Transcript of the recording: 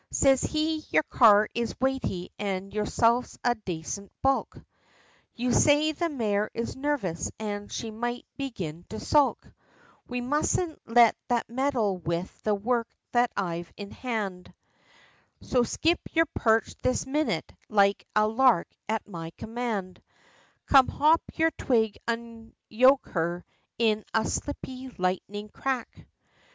Siz he, "Yer car is weighty, an' yerself's a dacent bulk, You say the mare is nervous, an' she might begin to sulk; We mustn't let that meddle with the work that I've in hand, So skip your perch this minute, like a lark, at my command, Come, hop yer twig, unyoke her, in a slippy lightenin' crack!